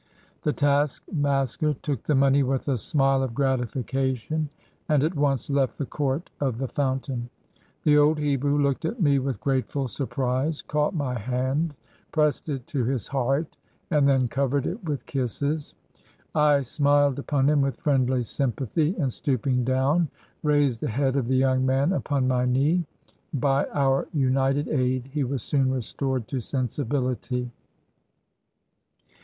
The taskmaster took the money with a smile of grati fication, and at once left the court of the fountain. The old Hebrew looked at me with grateful surprise, caught my hand, pressed it to his heart, and then covered it with kisses. I smiled upon him with friendly sympathy, and, stooping do\vn, raised the head of the young man upon my knee. By our united aid he was soon restored to sensibility.